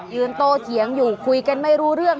โตเถียงอยู่คุยกันไม่รู้เรื่อง